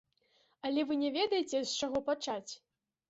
Але вы не ведаеце, з чаго пачаць?